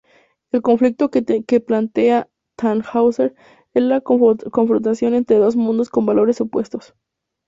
El conflicto que plantea "Tannhäuser" es la confrontación entre dos mundos con valores opuestos.